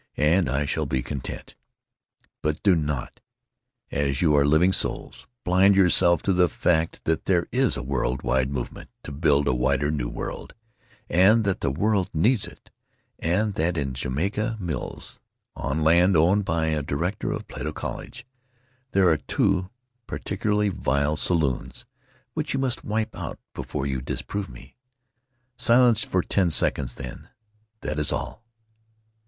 And I shall still be content. But do not, as you are living souls, blind yourself to the fact that there is a world wide movement to build a wider new world—and that the world needs it—and that in Jamaica Mills, on land owned by a director of Plato College, there are two particularly vile saloons which you must wipe out before you disprove me!" Silence for ten seconds. Then, "That is all."